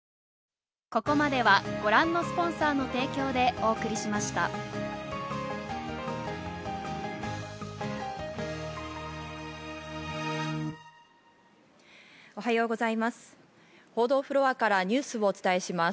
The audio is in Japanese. おはようございます。